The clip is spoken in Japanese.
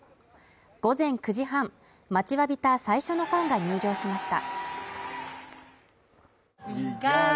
午前９時半待ちわびた最初のファンが入場しました。